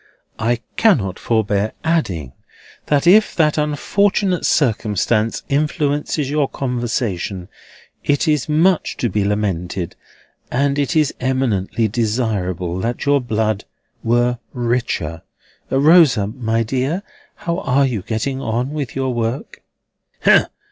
I cannot forbear adding, that if that unfortunate circumstance influences your conversation, it is much to be lamented, and it is eminently desirable that your blood were richer.—Rosa, my dear, how are you getting on with your work?"